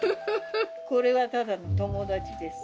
これはただの友達です。